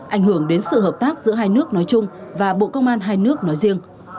ảnh hưởng đến sự hợp tác giữa hai nước nói chung và bộ công an hai nước nói riêng